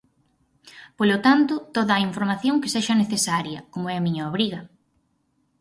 Polo tanto, toda a información que sexa necesaria, como é a miña obriga.